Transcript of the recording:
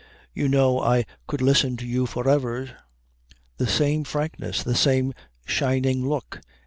"You know I could listen to you for ever." The same frankness; the same shining look.